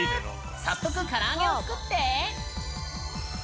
早速、唐揚げを作って！